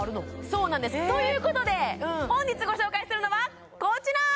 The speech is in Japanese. そうなんですということで本日ご紹介するのはこちら！